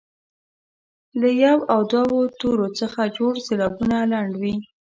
له یو او دوو تورو څخه جوړ سېلابونه لنډ وي.